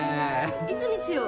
いつにしよう？